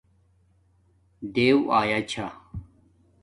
دیݸ آیاچھݳ